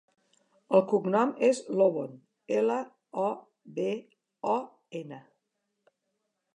El cognom és Lobon: ela, o, be, o, ena.